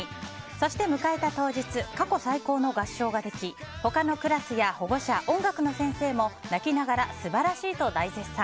そして迎えた当日過去最高の合唱ができ他のクラスや保護者、音楽の先生も泣きながら素晴らしいと大絶賛。